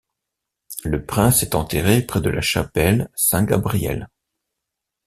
Le prince est enterré près de la chapelle Saint-Gabriel.